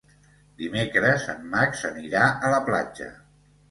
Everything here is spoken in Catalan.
Dimecres en Max anirà a la platja.